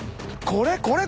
これこれ！